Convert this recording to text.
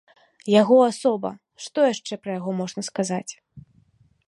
Яго асоба, што яшчэ пра яго можна сказаць.